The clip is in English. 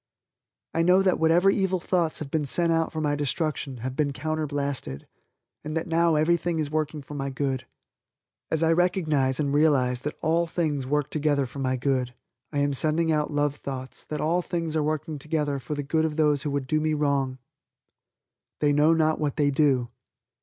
I know that whatever evil thoughts have been sent out for my destruction have been counter blasted, and that now everything is working for my good. As I recognize, and realize, that all things work together for my good, I am sending out love thoughts that all things are working together for the good of those who would do me wrong. "They know not what they do."